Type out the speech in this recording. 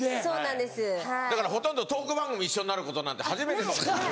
だからトーク番組一緒になることなんて初めてかもしれない。